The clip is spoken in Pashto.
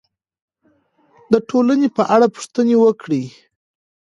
د ټولنې په اړه پوښتنې وکړئ.